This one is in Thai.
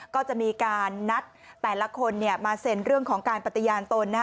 ก็จะมีการนัดแต่ละคนมาเซ็นเรื่องของการปฏิญาณตน